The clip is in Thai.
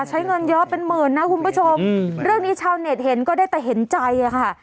ใช้เงินเยอะเป็นหมื่นนะคุณผู้ชมเรื่องนี้ชาวเน็ตเห็นก็ได้แต่เห็นใจอ่ะค่ะ